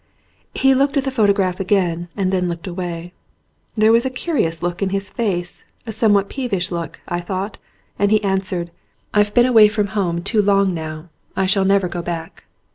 He looked at the photograph again and then looked away. There was a curious look in his face, a somewhat peevish look, I thought, and he answered : 176 THE NOEMAL MAN "I've been away from home too long now. I shall never go back."